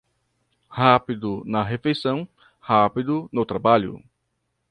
Rápido na refeição, rápido no trabalho.